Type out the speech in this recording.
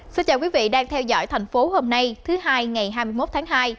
xin chào quý vị đang theo dõi thành phố hôm nay thứ hai ngày hai mươi một tháng hai